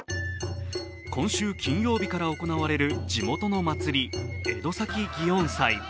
今週金曜日から行われる地元の祭り、江戸崎祇園祭。